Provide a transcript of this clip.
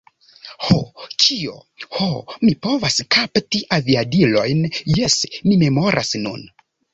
Ho, kio? Ho, mi povas kapti aviadilojn, jes, mi memoras nun.